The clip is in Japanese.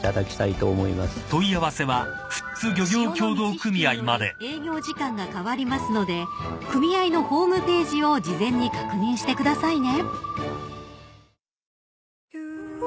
［潮の満ち引きにより営業時間が変わりますので組合のホームページを事前に確認してくださいね］